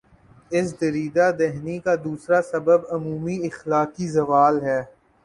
اس دریدہ دہنی کا دوسرا سبب عمومی اخلاقی زوال ہے۔